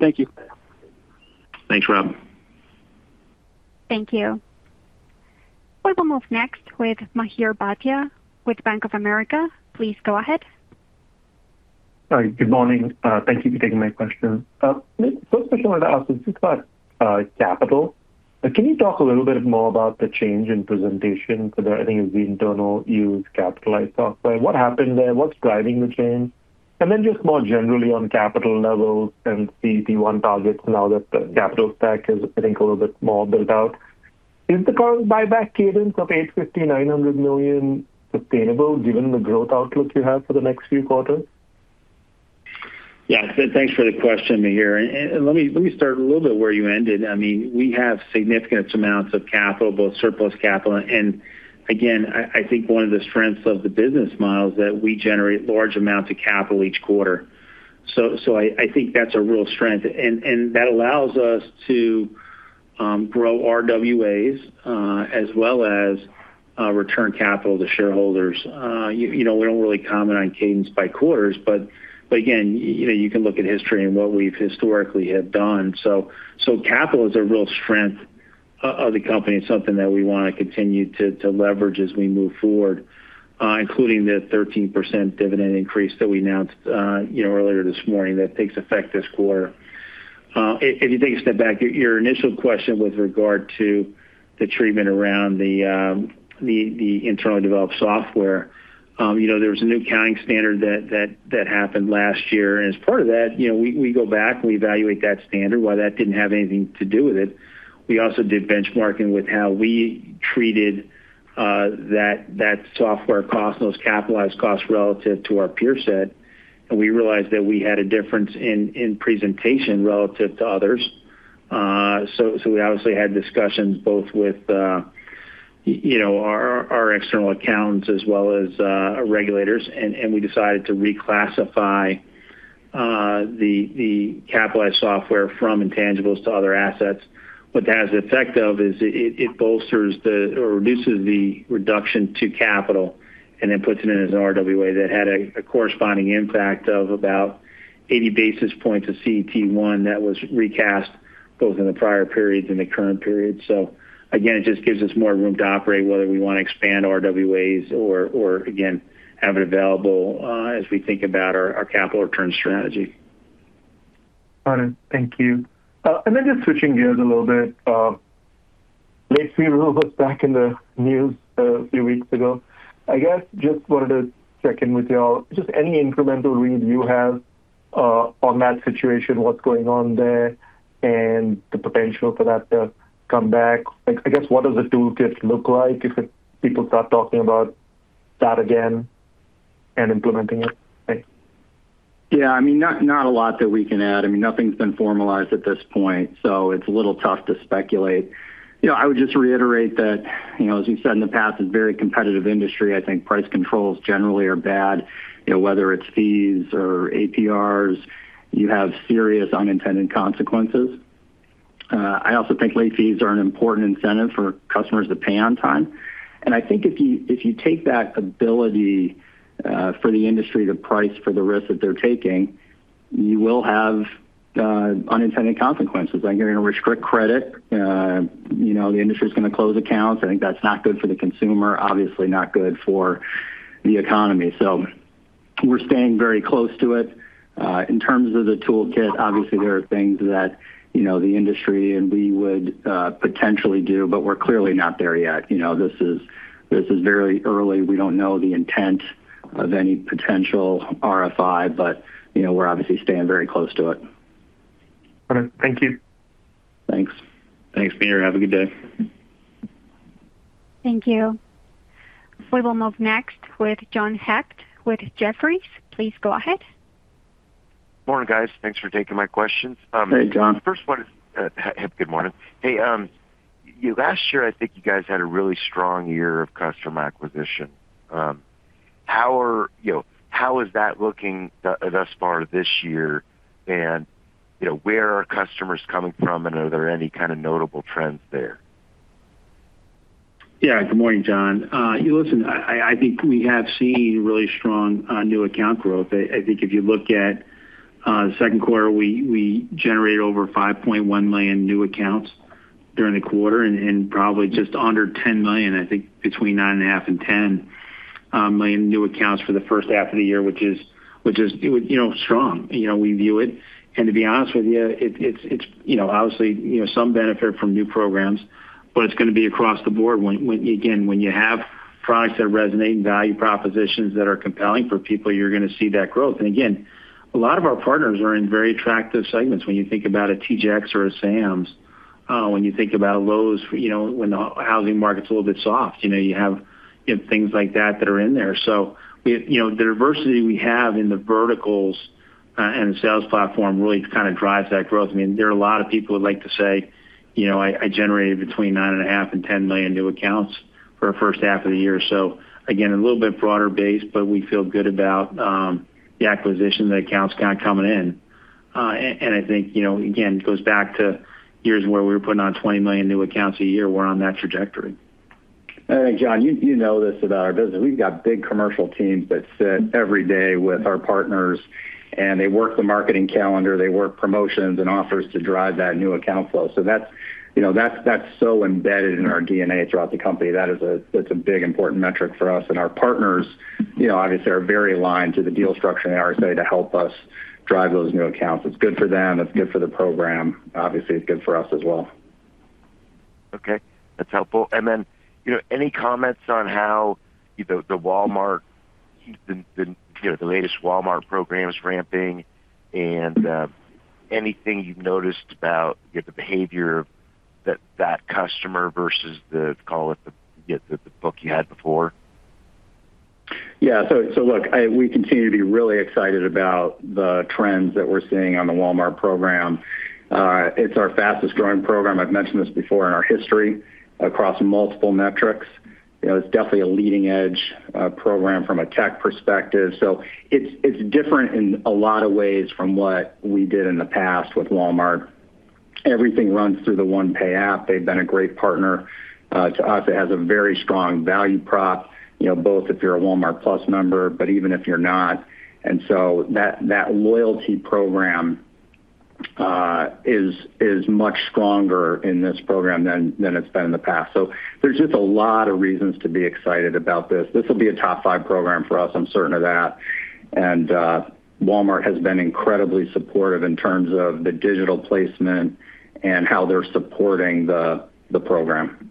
J: Thank you.
D: Thanks, Rob.
A: Thank you. We will move next with Mihir Bhatia with Bank of America. Please go ahead.
K: All right. Good morning. Thank you for taking my question. First question I wanted to ask is just about capital. Can you talk a little bit more about the change in presentation for the, I think it's the internal-use capitalized software. What happened there? What's driving the change? Just more generally on capital levels and CET1 targets now that the capital stack is, I think, a little bit more built out. Is the current buyback cadence of $850 million, $900 million sustainable given the growth outlook you have for the next few quarters?
D: Yeah. Thanks for the question, Mihir. Let me start a little bit where you ended. We have significant amounts of capital, both surplus capital. Again, I think one of the strengths of the business model is that we generate large amounts of capital each quarter. I think that's a real strength, and that allows us to grow RWAs, as well as return capital to shareholders. We don't really comment on cadence by quarters, but again you can look at history and what we've historically have done. Capital is a real strength of the company. It's something that we want to continue to leverage as we move forward, including the 13% dividend increase that we announced earlier this morning that takes effect this quarter. If you take a step back, your initial question with regard to the treatment around the internally developed software. There was a new accounting standard that happened last year. As part of that we go back and we evaluate that standard, why that didn't have anything to do with it. We also did benchmarking with how we treated that software cost, those capitalized costs relative to our peer set. We realized that we had a difference in presentation relative to others. We obviously had discussions both with our external accountants as well as our regulators. We decided to reclassify the capitalized software from intangibles to other assets. What that has the effect of is it bolsters the, or reduces the reduction to capital and then puts it in as an RWA that had a corresponding impact of about 80 basis points of CET1 that was recast both in the prior periods and the current period. Again, it just gives us more room to operate, whether we want to expand our RWAs or, again, have it available as we think about our capital return strategy.
K: Got it. Thank you. Then just switching gears a little bit. Late fees were a little bit back in the news a few weeks ago. I guess just wanted to check in with y'all. Just any incremental read you have on that situation, what's going on there and the potential for that to come back. I guess, what does the toolkit look like if people start talking about that again and implementing it? Thanks.
C: Yeah, not a lot that we can add. Nothing's been formalized at this point, so it's a little tough to speculate. I would just reiterate that, as we've said in the past, it's a very competitive industry. I think price controls generally are bad. Whether it's fees or APRs, you have serious unintended consequences. I also think late fees are an important incentive for customers to pay on time. I think if you take that ability for the industry to price for the risk that they're taking, you will have unintended consequences. You're going to restrict credit. The industry's going to close accounts. I think that's not good for the consumer, obviously not good for the economy. We're staying very close to it. In terms of the toolkit, obviously there are things that the industry and we would potentially do, we're clearly not there yet. This is very early. We don't know the intent of any potential RFI, we're obviously staying very close to it.
K: Got it. Thank you.
C: Thanks.
D: Thanks, Mihir. Have a good day.
A: Thank you. We will move next with John Hecht with Jefferies. Please go ahead.
L: Morning, guys. Thanks for taking my questions.
C: Hey, John.
L: Good morning. Last year, I think you guys had a really strong year of customer acquisition. How is that looking thus far this year? Where are customers coming from, and are there any kind of notable trends there?
D: Yeah. Good morning, John. Listen, I think we have seen really strong new account growth. I think if you look at the second quarter, we generated over 5.1 million new accounts during the quarter and probably just under 10 million, I think between 9.5 and 10 million new accounts for the first half of the year, which is strong. We view it, and to be honest with you, obviously some benefit from new programs, but it's going to be across the board when you have products that resonate and value propositions that are compelling for people, you're going to see that growth. Again, a lot of our partners are in very attractive segments. When you think about a TJX or a Sam's, when you think about Lowe's, when the housing market's a little bit soft, you have things like that that are in there. The diversity we have in the verticals and the sales platform really kind of drives that growth. There are a lot of people who would like to say, "I generated between 9.5 and 10 million new accounts for a first half of the year." Again, a little bit broader base, but we feel good about the acquisition, the accounts kind of coming in. I think, again, it goes back to years where we were putting on 20 million new accounts a year. We're on that trajectory.
C: John, you know this about our business. We've got big commercial teams that sit every day with our partners, and they work the marketing calendar. They work promotions and offers to drive that new account flow. That's so embedded in our DNA throughout the company. That's a big, important metric for us. Our partners obviously are very aligned to the deal structure and RSA to help us drive those new accounts. It's good for them. It's good for the program. Obviously, it's good for us as well.
L: Okay. That's helpful. Then any comments on how the Walmart, the latest Walmart program is ramping. Anything you've noticed about the behavior that customer versus the, call it the book you had before?
C: Yeah. Look, we continue to be really excited about the trends that we're seeing on the Walmart program. It's our fastest growing program, I've mentioned this before, in our history across multiple metrics. It's definitely a leading edge program from a tech perspective. It's different in a lot of ways from what we did in the past with Walmart. Everything runs through the OnePay app. They've been a great partner to us. It has a very strong value prop, both if you're a Walmart+ member, but even if you're not. That loyalty program is much stronger in this program than it's been in the past. There's just a lot of reasons to be excited about this. This will be a top five program for us, I'm certain of that. Walmart has been incredibly supportive in terms of the digital placement and how they're supporting the program.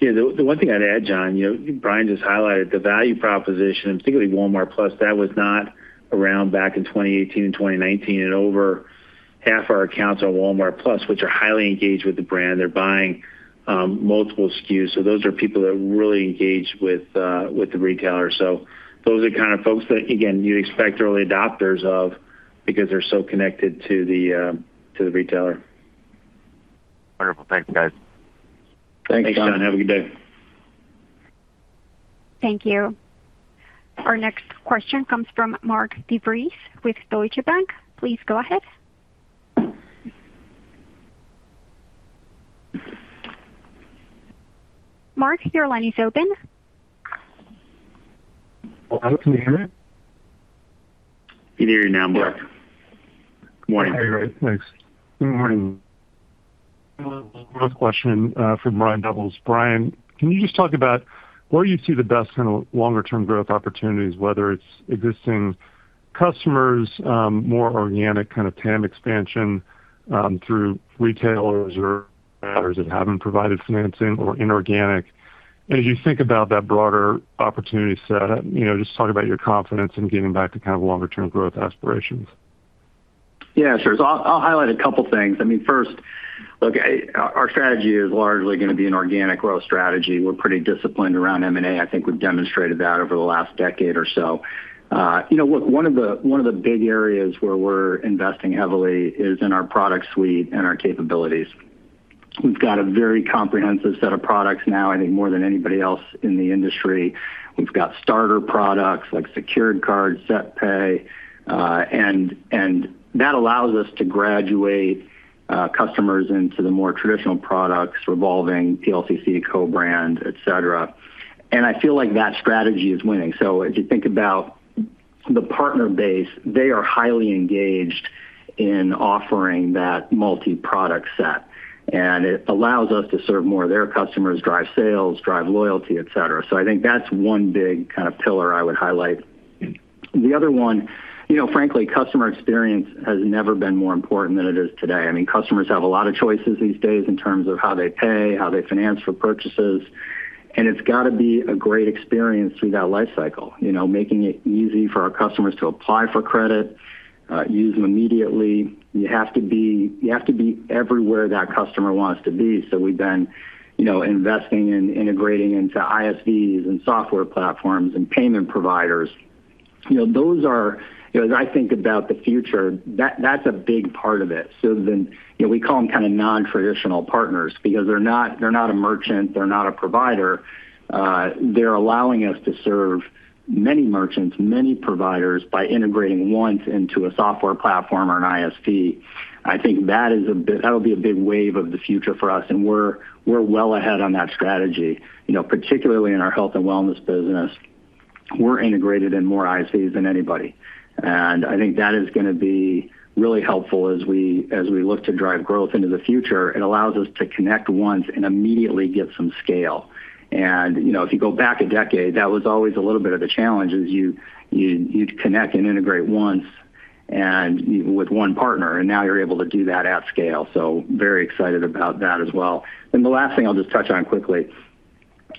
D: Yeah. The one thing I'd add, John, Brian just highlighted the value proposition, and particularly Walmart+ That was not around back in 2018 and 2019. Over half our accounts are Walmart+, which are highly engaged with the brand. They're buying multiple SKUs. Those are people that really engage with the retailer. Those are the kind of folks that, again, you'd expect early adopters of because they're so connected to the retailer.
L: Wonderful. Thanks, guys.
C: Thanks, John.
D: Thanks, John. Have a good day.
A: Thank you. Our next question comes from Mark DeVries with Deutsche Bank. Please go ahead. Mark, your line is open.
M: Hello, can you hear me?
C: Can hear you now, Mark. Good morning.
M: Okay, great. Thanks. Good morning. One question for Brian Doubles. Brian, can you just talk about where you see the best kind of longer term growth opportunities, whether it's existing customers, more organic kind of TAM expansion through retailers or matters that haven't provided financing or inorganic. As you think about that broader opportunity set, just talk about your confidence in getting back to kind of longer-term growth aspirations.
C: Yeah, sure. I'll highlight a couple things. First, our strategy is largely going to be an organic growth strategy. We're pretty disciplined around M&A. I think we've demonstrated that over the last decade or so. Look, one of the big areas where we're investing heavily is in our product suite and our capabilities. We've got a very comprehensive set of products now, I think more than anybody else in the industry. We've got starter products like secured cards, SetPay and that allows us to graduate customers into the more traditional products, revolving, PLCC, co-brand, et cetera. I feel like that strategy is winning. If you think about the partner base, they are highly engaged in offering that multi-product set, and it allows us to serve more of their customers, drive sales, drive loyalty, et cetera. I think that's one big kind of pillar I would highlight. The other one, frankly, customer experience has never been more important than it is today. Customers have a lot of choices these days in terms of how they pay, how they finance for purchases, and it's got to be a great experience through that life cycle. Making it easy for our customers to apply for credit, use them immediately. You have to be everywhere that customer wants to be. We've been investing in integrating into ISVs and software platforms and payment providers. As I think about the future, that's a big part of it. We call them kind of non-traditional partners because they're not a merchant, they're not a provider. They're allowing us to serve many merchants, many providers by integrating once into a software platform or an ISV. I think that'll be a big wave of the future for us, and we're well ahead on that strategy. Particularly in our Health & Wellness business, we're integrated in more ISVs than anybody, and I think that is going to be really helpful as we look to drive growth into the future. It allows us to connect once and immediately get some scale. If you go back a decade, that was always a little bit of a challenge is you'd connect and integrate once and with one partner, and now you're able to do that at scale. Very excited about that as well. The last thing I'll just touch on quickly,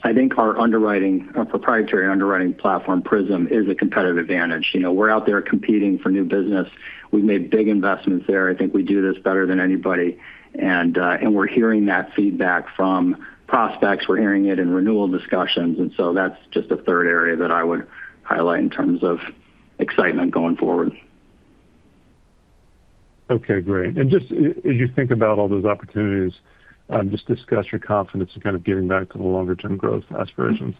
C: I think our proprietary underwriting platform, PRISM, is a competitive advantage. We're out there competing for new business. We've made big investments there. I think we do this better than anybody. We're hearing that feedback from prospects. We're hearing it in renewal discussions, that's just a third area that I would highlight in terms of excitement going forward.
M: Okay, great. Just as you think about all those opportunities, just discuss your confidence in kind of getting back to the longer-term growth aspirations.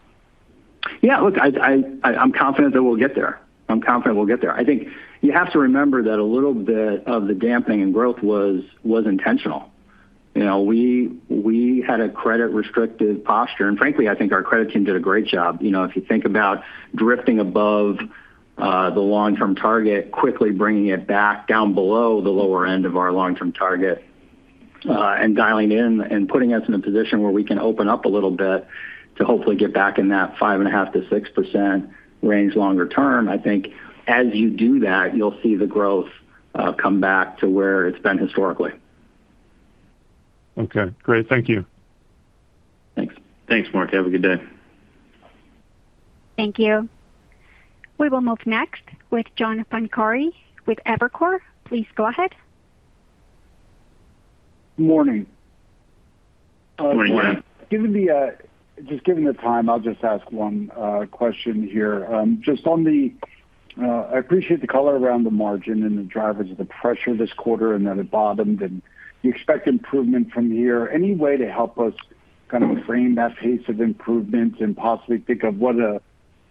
C: Yeah, look, I'm confident that we'll get there. I think you have to remember that a little bit of the damping in growth was intentional. We had a credit restricted posture, and frankly, I think our credit team did a great job. If you think about drifting above the long term target, quickly bringing it back down below the lower end of our long term target and dialing in and putting us in a position where we can open up a little bit to hopefully get back in that 5.5%-6% range longer term. I think as you do that, you'll see the growth come back to where it's been historically.
M: Okay, great. Thank you.
C: Thanks.
D: Thanks, Mark. Have a good day.
A: Thank you. We will move next with John Pancari with Evercore. Please go ahead.
N: Good Morning.
D: [crosstalk]
N: Just given the time, I'll just ask one question here. I appreciate the color around the margin and the drivers of the pressure this quarter, and that it bottomed and you expect improvement from here. Any way to help us kind of frame that pace of improvements and possibly think of what a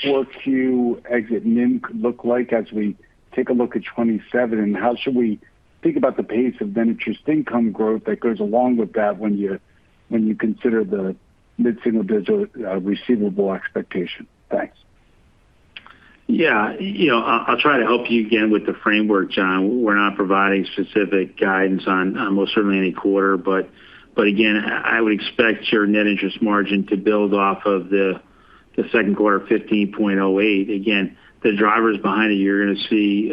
N: 4Q exit NIM could look like as we take a look at 2027? How should we think about the pace of net interest income growth that goes along with that when you consider the mid-single-digit receivable expectation? Thanks.
D: Yeah. I'll try to help you again with the framework, John. We're not providing specific guidance on most certainly any quarter. I would expect your net interest margin to build off of the second quarter 15.08%. Again, the drivers behind it, you're going to see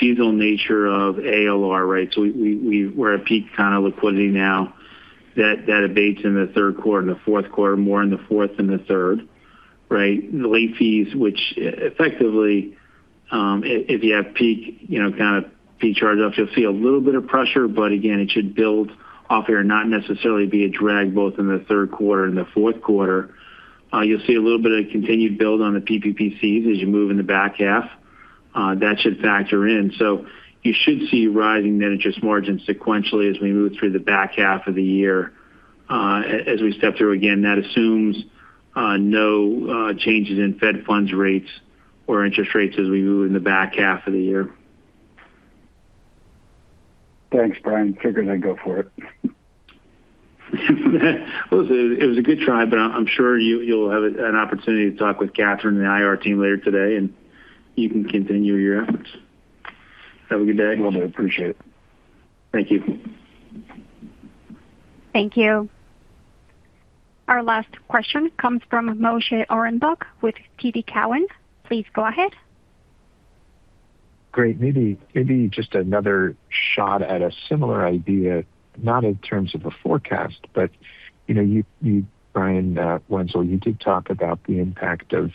D: seasonal nature of ALR rates. We're at peak kind of liquidity now that abates in the third quarter, and the fourth quarter, more in the fourth than the third. Right? The late fees, which effectively, if you have peak kind of fee charge off, you'll see a little bit of pressure, but again, it should build off here, not necessarily be a drag both in the third quarter and the fourth quarter. You'll see a little bit of continued build on the PPP fees as you move in the back half. That should factor in. You should see rising net interest margin sequentially as we move through the back half of the year. As we step through again, that assumes no changes in Fed funds rates or interest rates as we move in the back half of the year.
N: Thanks, Brian. Figured I'd go for it.
D: Listen, it was a good try, but I'm sure you'll have an opportunity to talk with Kathryn and the IR team later today, and you can continue your efforts. Have a good day.
N: Will do. Appreciate it.
D: Thank you.
A: Thank you. Our last question comes from Moshe Orenbuch with TD Cowen. Please go ahead.
O: Great. Maybe just another shot at a similar idea, not in terms of a forecast. You, Brian Wenzel, you did talk about the impact of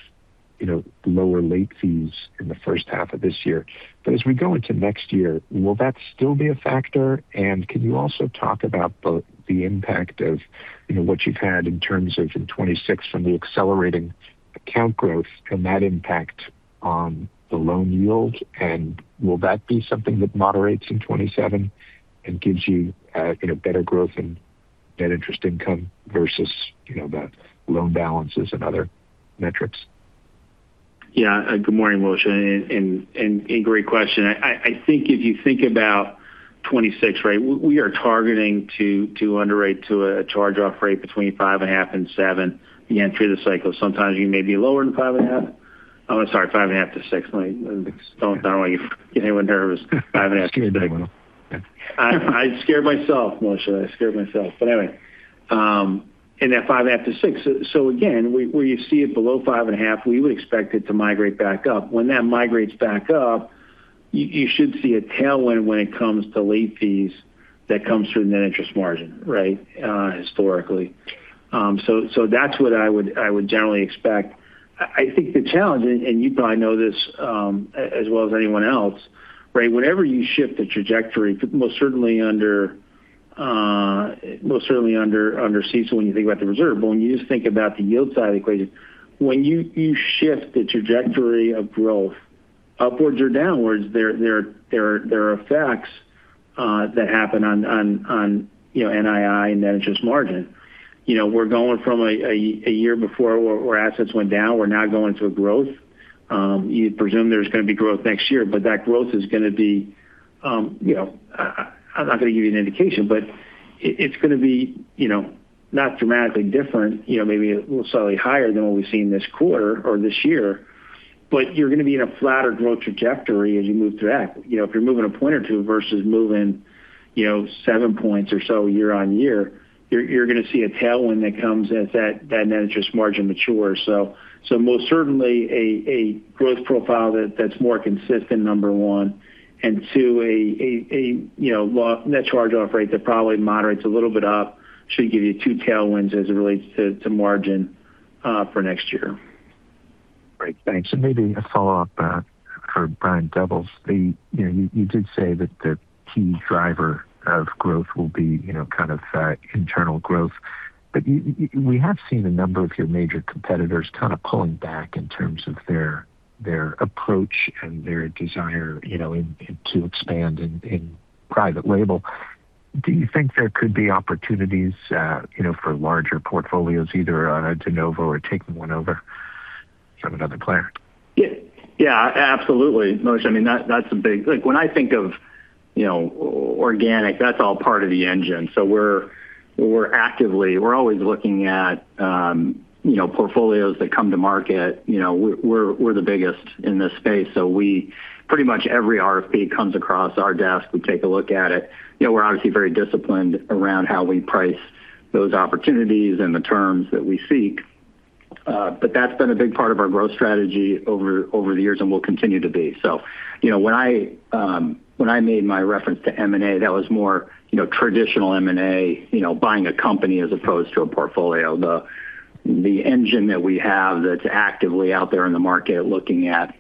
O: lower late fees in the first half of this year. As we go into next year, will that still be a factor? Can you also talk about both the impact of what you've had in terms of in 2026 from the accelerating account growth, can that impact the loan yield? Will that be something that moderates in 2027 and gives you better growth in net interest income versus the loan balances and other metrics?
D: Yeah. Good morning, Moshe, great question. I think if you think about 2026, we are targeting to underwrite to a charge-off rate between 5.5% and 7% the entry of the cycle. Sometimes you may be lower than 5.5%. I'm sorry, 5.5%-6%. I don't want to get anyone nervous. 5.5%-6%.
O: Scared me a little.
D: I scared myself, Moshe. I scared myself. Anyway, in that 5.5%-6%. Again, where you see it below 5.5%, we would expect it to migrate back up. When that migrates back up, you should see a tailwind when it comes to late fees that comes through net interest margin, historically. That's what I would generally expect. I think the challenge, and you probably know this as well as anyone else. Whenever you shift the trajectory, most certainly under CECL when you think about the reserve. But when you just think about the yield side of the equation, when you shift the trajectory of growth upwards or downwards, there are effects that happen on NII and net interest margin. We're going from a year before where assets went down. We're now going to a growth. You'd presume there's going to be growth next year, that growth is going to be—I'm not going to give you an indication, it's going to be not dramatically different, maybe a little slightly higher than what we've seen this quarter or this year. You're going to be in a flatter growth trajectory as you move through that. If you're moving 1 or 2 points versus moving 7 points or so year-on-year, you're going to see a tailwind that comes as that net interest margin matures. Most certainly a growth profile that's more consistent, number 1, and 2, a net charge-off rate that probably moderates a little bit up should give you two tailwinds as it relates to margin for next year.
O: Great. Thanks. Maybe a follow-up for Brian Doubles. You did say that the key driver of growth will be kind of internal growth. We have seen a number of your major competitors kind of pulling back in terms of their approach and their desire to expand in private label. Do you think there could be opportunities for larger portfolios either on a de novo or taking one over from another player?
C: Yeah, absolutely, Moshe. When I think of organic, that's all part of the engine. We're always looking at portfolios that come to market. We're the biggest in this space, pretty much every RFP comes across our desk, we take a look at it. We're obviously very disciplined around how we price those opportunities and the terms that we seek. That's been a big part of our growth strategy over the years and will continue to be. When I made my reference to M&A, that was more traditional M&A, buying a company as opposed to a portfolio. The engine that we have that's actively out there in the market looking at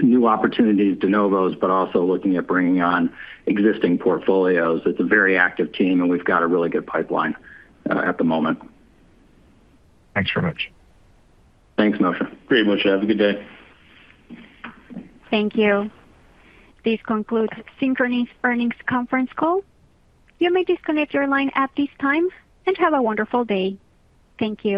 C: new opportunities, de novos, also looking at bringing on existing portfolios. It's a very active team, and we've got a really good pipeline at the moment.
O: Thanks very much.
C: Thanks, Moshe.
D: Great, Moshe. Have a good day.
A: Thank you. This concludes Synchrony's earnings conference call. You may disconnect your line at this time, and have a wonderful day. Thank you.